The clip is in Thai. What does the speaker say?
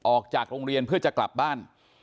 ออกจากโรงเรียนเพื่อจะกลับบ้าน